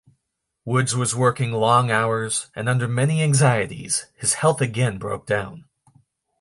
Woods was working long hours and under many anxieties, his health again broke down.